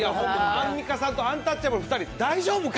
アンミカさんとアンタッチャブルの２人、大丈夫か？